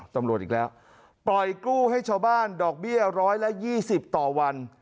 ตำรวจอีกแล้วปล่อยกู้ให้ชาวบ้านดอกเบี้ยร้อยละ๒๐ต่อวัน